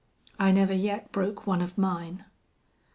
"I never yet broke one of mine."